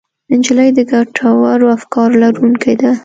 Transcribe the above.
نجلۍ د ګټورو افکارو لرونکې ده.